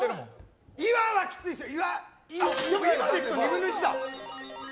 「岩」はきついですよ。